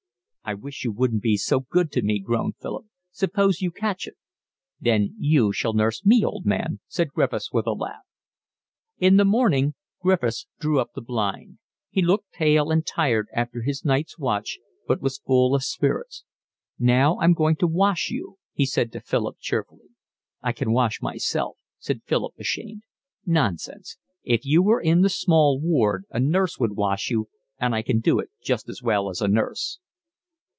"I wish you wouldn't be so good to me," groaned Philip. "Suppose you catch it?" "Then you shall nurse me, old man," said Griffiths, with a laugh. In the morning Griffiths drew up the blind. He looked pale and tired after his night's watch, but was full of spirits. "Now, I'm going to wash you," he said to Philip cheerfully. "I can wash myself," said Philip, ashamed. "Nonsense. If you were in the small ward a nurse would wash you, and I can do it just as well as a nurse."